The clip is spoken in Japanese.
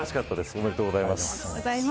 おめでとうございます。